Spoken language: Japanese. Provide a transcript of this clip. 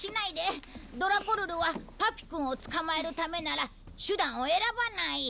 ドラコルルはパピくんを捕まえるためなら手段を選ばない。